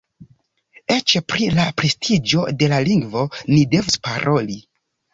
Eĉ pri la prestiĝo de la lingvo ni devus paroli.